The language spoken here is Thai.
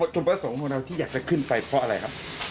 ปตุภาษภ์สองครับพวกเราที่อยากจะขึ้นไปเพราะอะไรครับ